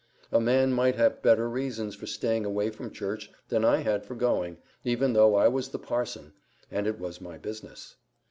A man might have better reasons for staying away from church than I had for going, even though I was the parson, and it was my business.